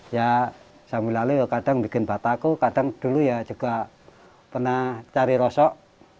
ya sambil lalu ya kadang bikin bataku kadang dulu ya juga pernah cari rosok